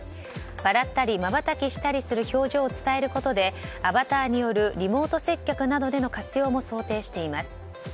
笑ったり、まばたきしたりする表情を伝えることでアバターによるリモート接客などの活用も想定しています。